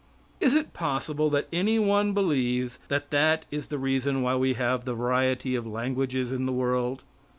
Is it possible that any one believes that that is the reason why we have the variety of languages in the world?